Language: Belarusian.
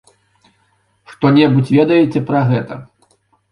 Што-небудзь ведаеце пра гэта?